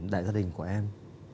đại gia đình của em